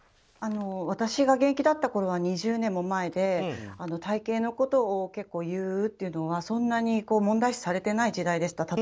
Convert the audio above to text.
私が現役だったころは２０年も前で体形のことを結構言うというのはそんなに問題視されていない時代でした。